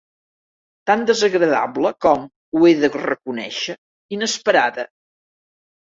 Tan desagradable com, ho he de reconèixer, inesperada.